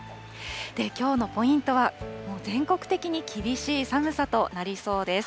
きょうのポイントは、もう全国的に厳しい寒さとなりそうです。